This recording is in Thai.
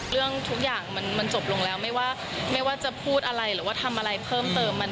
เรื่องทุกอย่างมันจบลงแล้วไม่ว่าจะพูดอะไรหรือว่าทำอะไรเพิ่มเติม